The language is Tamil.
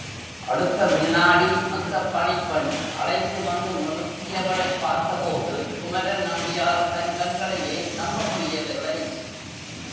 அடுத்த விநாடி அந்தப் பணிப்பெண் அழைத்துவந்து நிறுத்தியவளைப் பார்த்த போது குமரன்நம்பியால் தன் கண்களையே நம்ப முடியவில்லை.